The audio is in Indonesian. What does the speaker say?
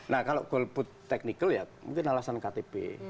nah kalau goal put teknikal ya mungkin alasan ktp